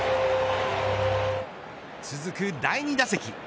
続く第２打席。